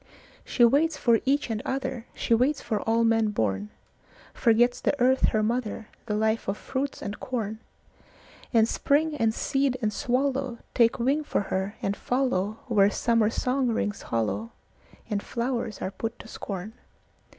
She waits for each and other, She waits for all men born; Forgets the earth her mother, The life of fruits and corn; And spring and seed and swallowTake wing for her and followWhere summer song rings hollowAnd flowers are put to scorn.